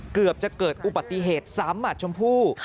เกือบจะเกิดอุบัติเหตุซ้ำหมัดชมพู่